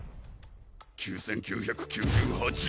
・９９９８！